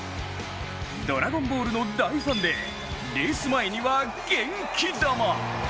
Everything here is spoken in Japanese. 「ドラゴンボール」の大ファンでレース前には元気玉。